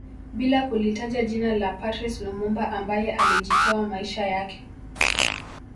Bila kulitaja jina la Patrice Lumumba ambaye alijitoa maisha yake